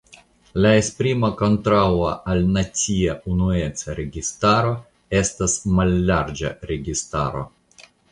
La esprimo kontraŭa al "nacia unueca registaro" estas "mallarĝa registaro".